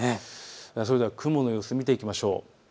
それでは雲の様子を見ていきましょう。